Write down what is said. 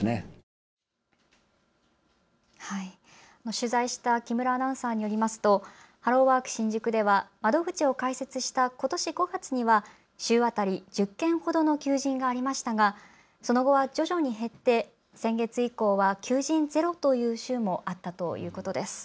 取材した木村アナウンサーによりますとハローワーク新宿では窓口を開設したことし５月には週当たり１０件ほどの求人がありましたがその後は徐々に減って先月以降は求人ゼロという週もあったということです。